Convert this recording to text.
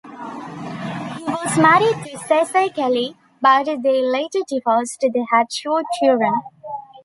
He was married to Casey Kelley, but they later divorced; they had two children.